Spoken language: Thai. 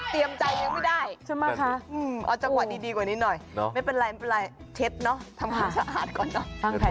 เตรียมใจยังไม่ได้เอาจังหวะดีกว่านิดหน่อยไม่เป็นไรเช็ดเนาะทำของสะอาดก่อนนะ